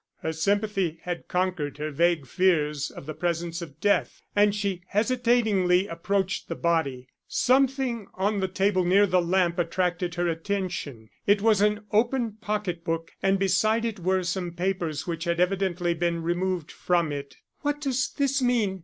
Her sympathy had conquered her vague fears of the presence of death, and she hesitatingly approached the body. Something on the table near the lamp attracted her attention. It was an open pocket book and beside it were some papers which had evidently been removed from it. "What does this mean?"